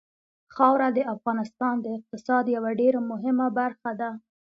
خاوره د افغانستان د اقتصاد یوه ډېره مهمه برخه ده.